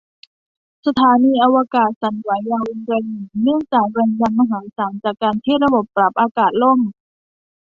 สถานีอวกาศสั่นไหวอย่างรุนแรงเนื่องจากแรงดันมหาศาลจากการที่ระบบปรับอากาศล่ม